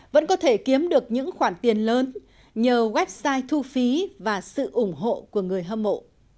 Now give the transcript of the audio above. vẫn có thể kiếm được những khoản tiền lớn nhờ website thu phí và sự ủng hộ của người hâm mộ